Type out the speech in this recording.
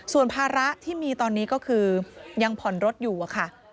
ส่วนภาระที่มีตอนนี้ก็คือยังผ่อนรถอยู่อะค่ะ